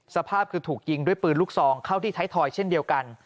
สภาพคือถูกยิงด้วยปืนลูกซองเข้าที่ไทยทอยเช่นเดียวกัน